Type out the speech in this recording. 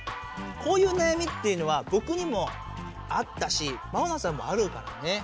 こういう悩みっていうのはボクにもあったしマウナさんもあるからね。